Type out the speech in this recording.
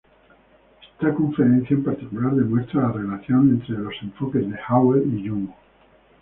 Esta conferencia en particular demuestra la relación entre los enfoques de Hauer y Jung.